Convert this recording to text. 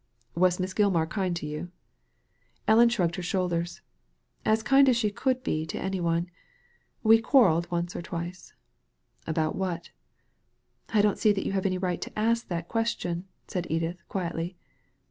"Was Miss Gilmar kind to you ?'* Edith shrugged her shoulders. '^ As kind as she could be to any one. We quarrelled once or twice." ''About what?" '* I don't see that you have any right to ask that question," said Edith, quietly.